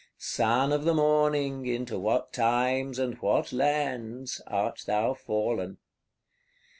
Son of the Morning, into what times and what lands, art thou fallen!